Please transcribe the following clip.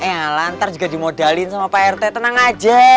eh lantar juga dimodalin sama pak rt tenang aja